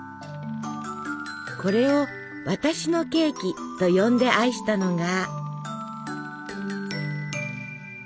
これを「私のケーキ」と呼んで愛したのが。